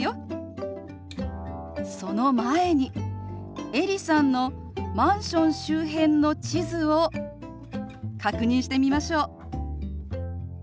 その前にエリさんのマンション周辺の地図を確認してみましょう。